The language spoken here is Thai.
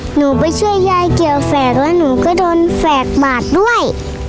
หนูไปช่วยยายเกี่ยวแฝกแล้วหนูก็โดนแฝกบาดด้วย